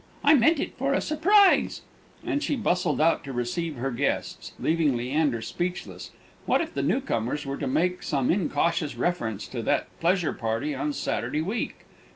I meant it for a surprise." And she bustled out to receive her guests, leaving Leander speechless. What if the new comers were to make some incautious reference to that pleasure party on Saturday week?